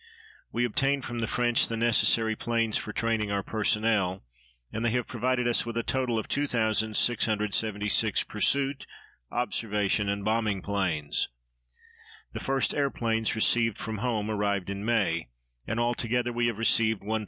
We obtained from the French the necessary planes for training our personnel, and they have provided us with a total of 2,676 pursuit, observation, and bombing planes. The first airplanes received from home arrived in May, and altogether we have received 1,379.